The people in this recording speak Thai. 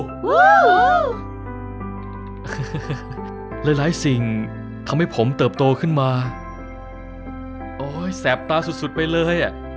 คือหลายหลายสิ่งทำให้ผมเติบโตขึ้นมาโอ้ยแสบตาสุดสุดไปเลยอ่ะ